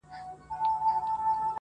د پسرلي وريځو به-